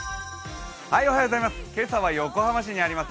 今朝は横浜市にあります